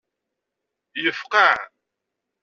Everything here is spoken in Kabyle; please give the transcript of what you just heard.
Yefqaɛ.